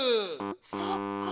そっか。